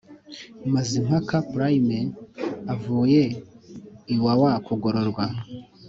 Mazimpaka prime avuye iwawa kugororwa